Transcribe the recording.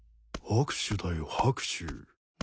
拍手だよ拍手。